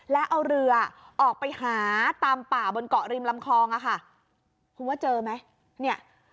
แล้วเอาเรือออกไปหาตามป่าบนเกาะริมลำคลองอะค่ะคุณว่าเจอไหมเนี่ย